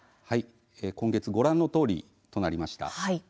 今月、ご覧のとおりとなりました。